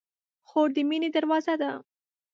خور د مینې دروازه ده.